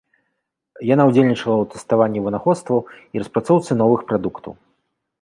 Яна ўдзельнічала ў тэставанні вынаходстваў і распрацоўцы новых прадуктаў.